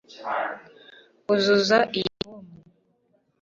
Uzuza iyi fomu